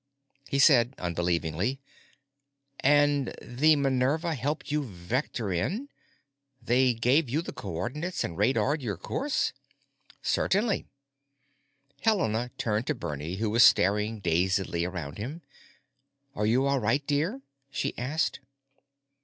He said, unbelievingly, "And the 'Minerva' helped you vector in? They gave you the co ordinates and radared your course?" "Certainly." Helena turned to Bernie, who was staring dazedly around him. "Are you all right, dear?" she asked.